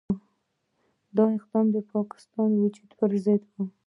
دا اقدام د پاکستان د وجود پرضد وو.